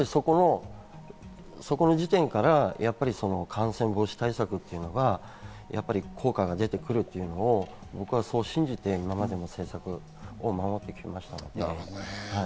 そこも時点から感染防止対策というのがやっぱり効果が出てくるというのを僕はそう信じて今までの政策を守ってきていましたので。